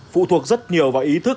phụ thuộc rất nhiều vào ý thức